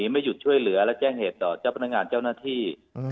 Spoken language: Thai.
ไม่หยุดช่วยเหลือและแจ้งเหตุต่อเจ้าพนักงานเจ้าหน้าที่